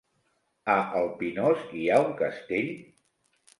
A el Pinós hi ha un castell?